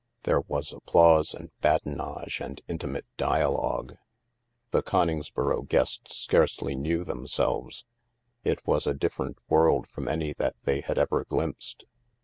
There was applause and badinage and intimate dialogue. The Coningsboro guests scarcely knew tihem selves. It was a different world from any that they had ever glimpsed.